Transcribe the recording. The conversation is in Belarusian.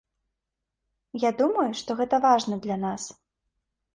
Я думаю, што гэта важна для нас.